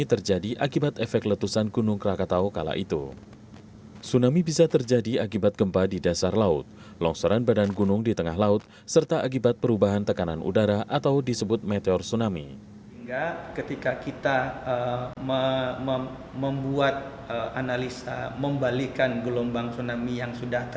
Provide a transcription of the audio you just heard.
tim ahli ini akan mencari penyelesaian dan mencari penyelesaian